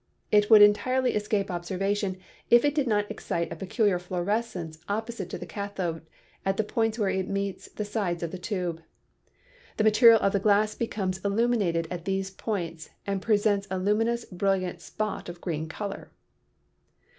It would entirely escape observation if it did not excite a peculiar fluorescence opposite to the cathode at the points where it meets the sides of the tube. The material of the glass becomes il luminated at these points and presents a luminous brilliant spot of a green color.